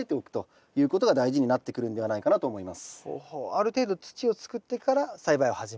ある程度土をつくってから栽培を始めると。